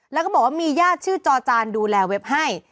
แล้วก็บอกว่ามีญาติชื่อจอจานดูแลเว็บให้